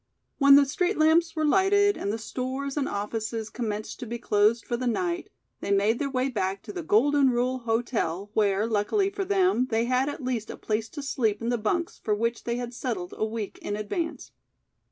When the street lamps were lighted and the stores and offices commenced to be closed for the night, they made their way back to the "Golden Rule Hotel" where, luckily for them, they had at least a place to sleep in the bunks for which they had settled a week in advance.